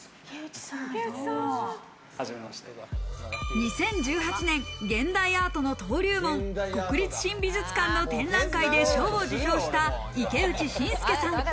２０１８年現代アートの登竜門、国立新美術館の展覧会で賞を受賞した池内信介さん。